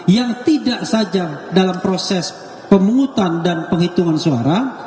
yang tidak saja dalam proses pemungutan dan penghitungan suara